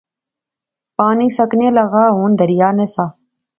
پانی سکنے لاغا، ہن دریا نہسا